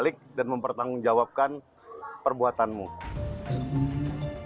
dimana satu orang sudah ditangkap dan satu orang lainnya masih buron